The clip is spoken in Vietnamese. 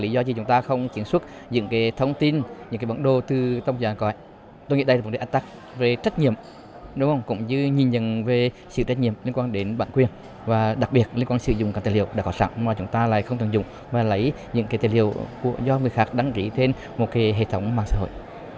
đúng không cũng như nhìn nhận về sự trách nhiệm liên quan đến bản quyền và đặc biệt liên quan sử dụng các tài liệu đã có sẵn mà chúng ta lại không thường dùng và lấy những cái tài liệu do người khác đăng ký trên một cái hệ thống mạng xã hội